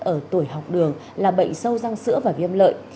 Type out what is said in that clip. ở tuổi học đường là bệnh sâu răng sữa và viêm lợi